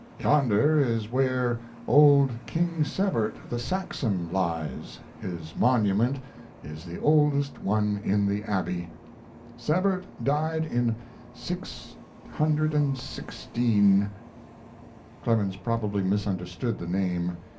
Yonder is where old King Sebert the Saxon lies his monument is the oldest one in the Abbey; Sebert died in 616, [Clemens probably misunderstood the name.